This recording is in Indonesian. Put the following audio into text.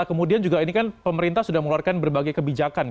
kemudian juga ini kan pemerintah sudah mengeluarkan berbagai kebijakan